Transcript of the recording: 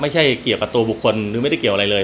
เกี่ยวกับตัวบุคคลหรือไม่ได้เกี่ยวอะไรเลย